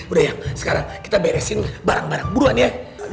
udah yang sekarang kita beresin barang barang buruan ya